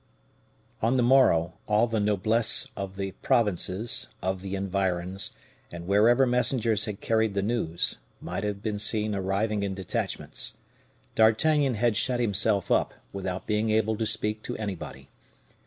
On the morrow, all the noblesse of the provinces, of the environs, and wherever messengers had carried the news, might have been seen arriving in detachments. D'Artagnan had shut himself up, without being willing to speak to anybody.